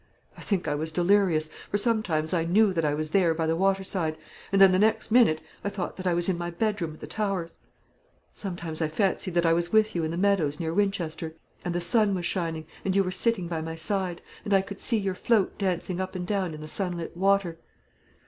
I think I was delirious, for sometimes I knew that I was there by the water side, and then the next minute I thought that I was in my bedroom at the Towers; sometimes I fancied that I was with you in the meadows near Winchester, and the sun was shining, and you were sitting by my side, and I could see your float dancing up and down in the sunlit water.